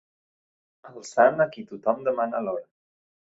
El sant a qui tothom demana l'hora.